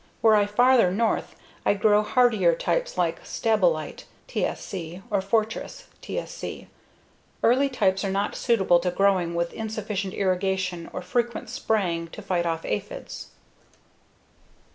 Were I farther north I'd grow hardier types like Stabolite (TSC) or Fortress (TSC). Early types are not suitable to growing with insufficient irrigation or frequent spraying to fight off aphids.